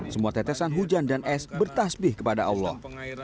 semua tetesan hujan dan es bertasbih kepada allah